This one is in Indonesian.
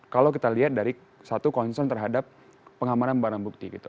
kalau kita lihat dari satu concern terhadap pengamanan barang bukti gitu